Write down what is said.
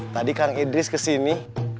tadi kang idris kesini